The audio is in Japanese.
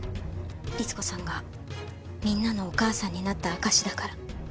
律子さんがみんなのお母さんになった証しだから。